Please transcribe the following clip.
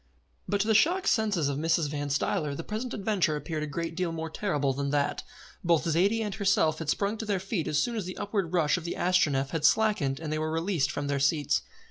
But to the shocked senses of Mrs. Van Stuyler the present adventure appeared a great deal more terrible than that. Both Zaidie and herself had sprung to their feet as soon as the upward rush of the Astronef had slackened and they were released from their seats.